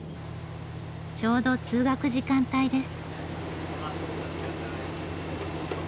ちょうど通学時間帯です。